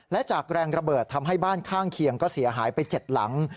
และจากแรงระเบิดทำให้บ้านข้างเคียงก็เสียหายไป๗หลัง